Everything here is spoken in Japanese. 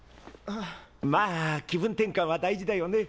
まぁ気分転換は大事だよね。